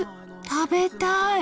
食べたい。